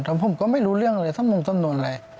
แล้วผมก็ไม่รู้เรื่องอะไรสำนวนอะไร